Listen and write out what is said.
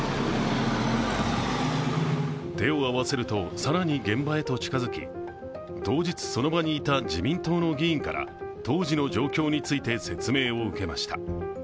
手を合わせると、更に現場へと近づき、当日、その場にいた自民党の議員から当時の状況について説明を受けました。